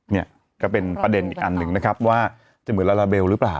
เนี่ยก็เป็นประเด็นอีกอันหนึ่งนะครับว่าจะเหมือนลาลาเบลหรือเปล่า